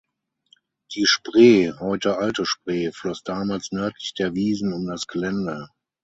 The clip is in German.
Die Spree (heute Alte Spree) floss damals nördlich der Wiesen um das Gelände.